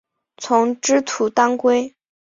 丛枝土当归